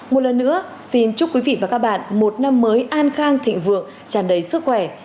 một lần nữa xin chúc quý vị và các bạn một năm mới an khang thịnh vượng tràn đầy sức khỏe